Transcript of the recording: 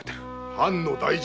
藩の大事。